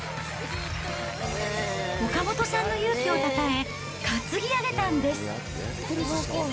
岡本さんの勇気をたたえ、担ぎ上げたんです。